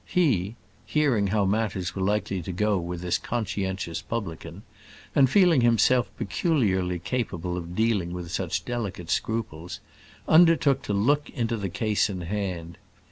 He, hearing how matters were likely to go with this conscientious publican, and feeling himself peculiarly capable of dealing with such delicate scruples, undertook to look into the case in hand.